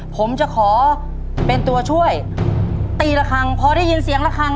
ผมจะขอเป็นตัวช่วยตีละครั้งพอได้ยินเสียงละครั้ง